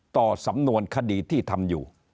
สำนวนคดีที่ทำอยู่